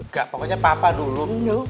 gak pokoknya papa dulu